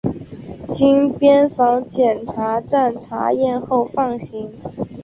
经边防检查站查验后放行。